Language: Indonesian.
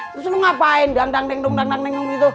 terus lo ngapain dang dang deng dung dang deng dung gitu